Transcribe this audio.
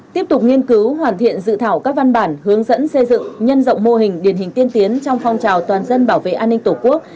tiếp tục nghiên cứu hoàn thiện dự thảo các văn bản hướng dẫn xây dựng nhân rộng mô hình điển hình tiên tiến trong phong trào toàn dân bảo vệ an ninh tổ quốc